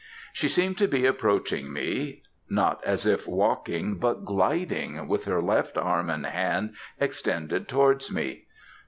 She seemed to be approaching me not as if walking, but gliding, with her left arm and hand extended towards me.